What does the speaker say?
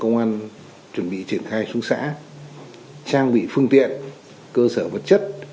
công an chuẩn bị triển khai xuống xã trang bị phương tiện cơ sở vật chất